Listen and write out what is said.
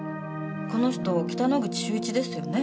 この人北之口秀一ですよね？